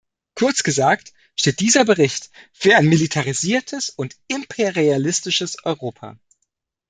Kurz gesagt steht dieser Bericht für ein militarisiertes und imperialistisches Europa.